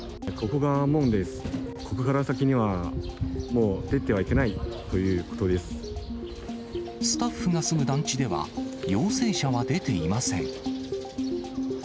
ここから先には、もう出てはいけスタッフが住む団地では、陽性者は出ていません。